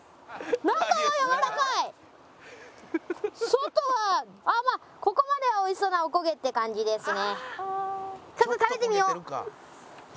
外はまあここまでは美味しそうなお焦げって感じですね。